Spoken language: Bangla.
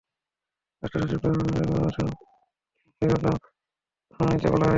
স্বরাষ্ট্রসচিব, আইনসচিব, জনপ্রশাসন সচিবসহ বিবাদীদের দুই সপ্তাহের মধ্যে জবাব দিতে বলা হয়েছে।